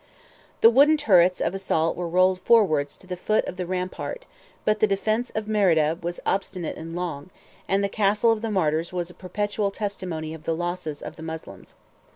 The wooden turrets of assault were rolled forwards to the foot of the rampart; but the defence of Merida was obstinate and long; and the castle of the martyrs was a perpetual testimony of the losses of the Moslems.